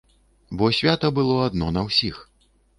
Бо свята было адно на ўсіх.